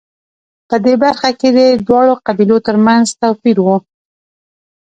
په دې برخه کې هم د دواړو قبیلو ترمنځ توپیر و